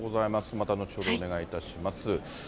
また後ほどお願いいたします。